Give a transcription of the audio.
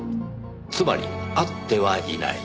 つまり会ってはいない。